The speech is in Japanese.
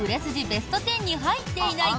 ベスト１０に入っていない